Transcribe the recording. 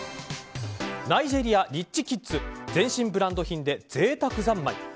ナイジェリアリッチキッズ全身ブランド品で贅沢三昧。